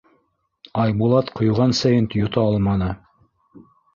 Айбулат ҡойған сәйен йота алманы.